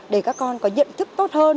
để các con có nhận thức